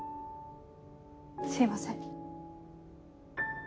すいません。